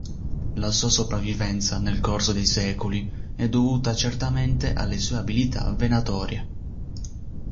La sua sopravvivenza nel corso dei secoli è dovuta certamente alle sue abilità venatorie.